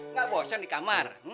nggak bosan di kamar